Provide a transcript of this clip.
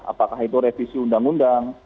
apakah itu revisi undang undang